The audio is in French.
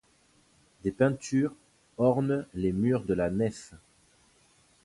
Des peintures ornent les murs de la nef.